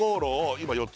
今４つ